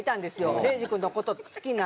礼二君の事好きな。